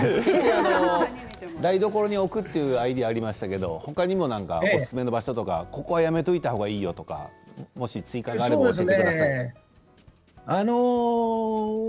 台所に置くというアイデアがありましたけど他にもおすすめな場所とかここはやめておいた方がいいよという追加があれば教えてください。